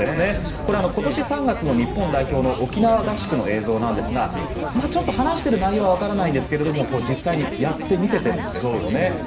これ、今年３月の日本代表の沖縄合宿の映像なんですがちょっと話している内容はわかりませんが実際にやって見せてるんですよね。